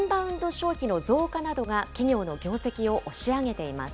消費の増加などが企業の業績を押し上げています。